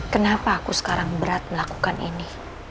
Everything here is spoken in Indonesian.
kenapa aku sekarang berat melakukan ini